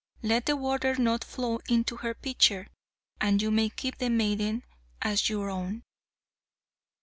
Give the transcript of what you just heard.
Let the water not flow into her pitcher, and you may keep the maiden as your own."